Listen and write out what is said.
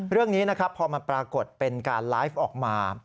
เรื่องนี้นะครับพอมันปรากฏเป็นการไลฟ์ออกมา